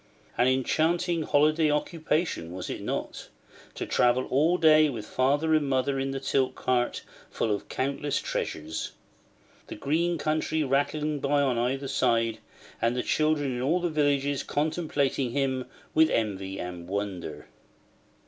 An enchanting holiday occupation, was it not? to travel all day with father and mother in the tilt cart full of countless treasures; the green country rattling by on either side, and the children in all the villages contemplating him with envy and wonder?